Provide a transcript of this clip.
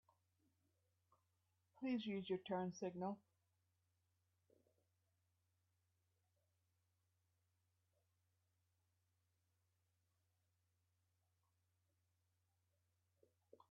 Please use your turn signal.